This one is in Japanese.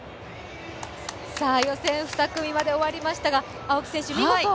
予選２組まで終わりましたが青木選手見事！